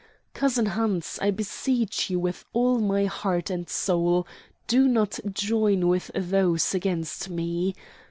Cousin Hans, I beseech you with all my heart and soul do not join with those against me.